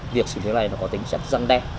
việc xử lý này có tính dẫn đen